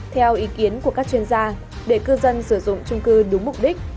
theo ý kiến của các chuyên gia để cư dân sử dụng trung cư đúng mục đích